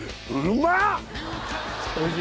うまい！